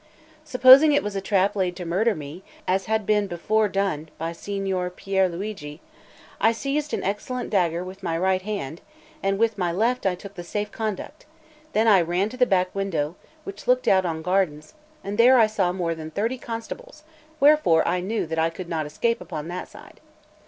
Supposing it was a trap laid to murder me, as had before been done by Signor Pier Luigi, I seized an excellent dagger with my right hand, and with the left I took the safe conduct; then I ran to the back window, which looked out on gardens, and there I saw more than thirty constables; wherefore I knew that I could not escape upon that side.